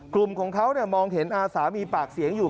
กลุ่มของเขามองเห็นอาสามีปากเสียงอยู่